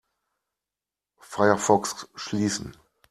Firefox schließen.